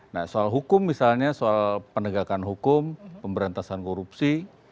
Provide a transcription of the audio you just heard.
nah soal hukum misalnya soal penegakan hukum pemberantasan korupsi